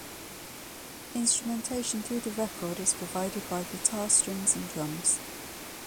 Instrumentation through the record is provided by guitar strings and drums.